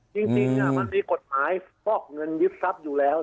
จริงมันมีกฎหมายฟอกเงินยึดทรัพย์อยู่แล้ว